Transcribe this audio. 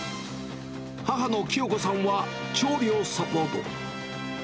母の清子さんは調理をサポート。